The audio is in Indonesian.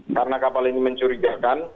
karena kapal ini mencurigakan